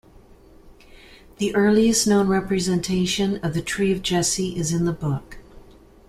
The earliest known representation of the "Tree of Jesse" is in the book.